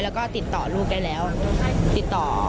แล้วก็ติดต่อลูกได้แล้วติดต่อ